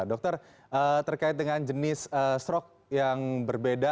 dokter terkait dengan jenis strok yang berbeda